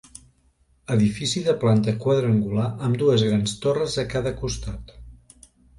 Edifici de planta quadrangular amb dues grans torres a cada costat.